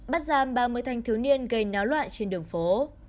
bắt giam ba mươi thanh thiếu niên gây náo loạn trên đường phố